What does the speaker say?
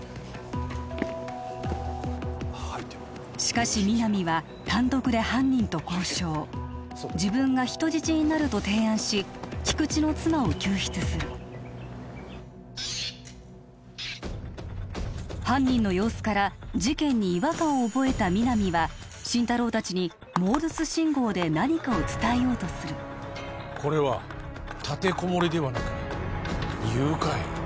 はいしかし皆実は単独で犯人と交渉自分が人質になると提案し菊知の妻を救出する犯人の様子から事件に違和感を覚えた皆実は心太朗達にモールス信号で何かを伝えようとする「これはたてこもりではなく」「ゆうかい」